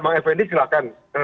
bang fnd silahkan